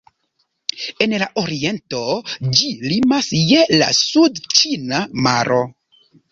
En la oriento ĝi limas je la Sudĉina maro.